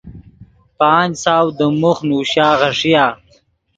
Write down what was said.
پانچ سو دیم موخ نوشا غیݰیا۔